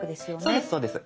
そうですそうです。